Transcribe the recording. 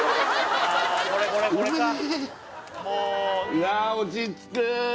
いや落ち着く